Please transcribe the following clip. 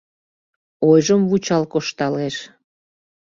Ойжым вучал кошталеш.